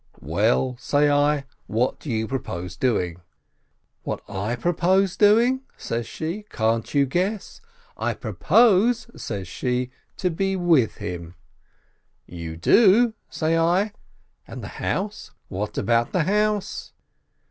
"Well," say I, "what do you propose doing?" — "What I propose doing?" says she. "Can't you guess? I propose," says she, "to be with him."— "You do?" say I. "And the house? What about the house?"